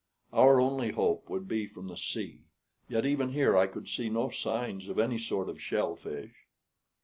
Our only hope would be from the sea, yet even here I could see no signs of any sort of shell fish.